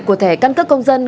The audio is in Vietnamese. của thẻ căn cứ công dân